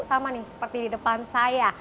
sama nih seperti di depan saya